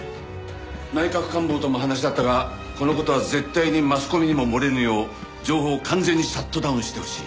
内閣官房とも話し合ったがこの事は絶対にマスコミにも漏れぬよう情報を完全にシャットダウンしてほしい。